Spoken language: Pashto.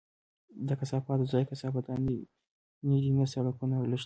د کثافاتو ځای کثافت دانۍ دي، نه سړکونه او لښتي!